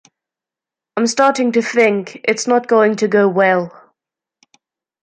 I’m starting to think it’s not going to go well.